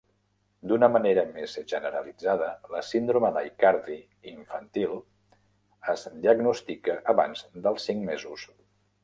D'una manera més generalitzada, la síndrome d'Aicardi infantil es diagnostica abans dels cinc mesos.